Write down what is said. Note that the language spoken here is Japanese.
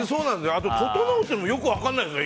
あと、ととのうってよく分からないんですよ。